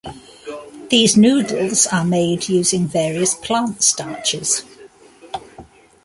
These noodles are made using various plant starches.